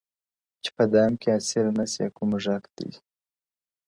• چي په دام كي اسير نه سي كوم موږك دئ,